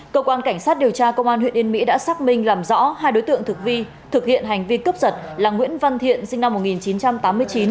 cơ quan cảnh sát điều tra công an huyện yên mỹ đã xác minh làm rõ hai đối tượng thực vi thực hiện hành vi cướp giật là nguyễn văn thiện sinh năm một nghìn chín trăm tám mươi chín